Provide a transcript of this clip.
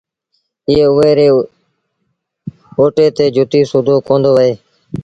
ائيٚݩ اُئي ري اوتي تي جتيٚ سُوڌو ڪوندو وهي